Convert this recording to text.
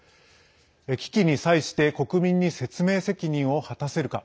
危機に際して国民に説明責任を果たせるか。